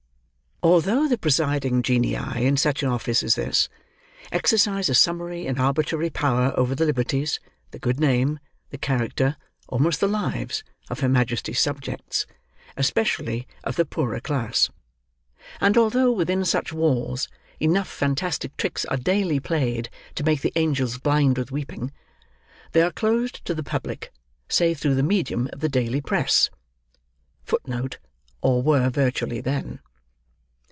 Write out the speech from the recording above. Although the presiding Genii in such an office as this, exercise a summary and arbitrary power over the liberties, the good name, the character, almost the lives, of Her Majesty's subjects, especially of the poorer class; and although, within such walls, enough fantastic tricks are daily played to make the angels blind with weeping; they are closed to the public, save through the medium of the daily press.[Footnote: Or were virtually, then.